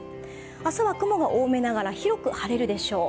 明日は雲が多めながら、広く晴れるでしょう。